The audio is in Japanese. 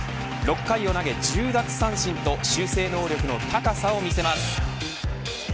６回を投げ１０奪三振と修正能力の高さを見せます。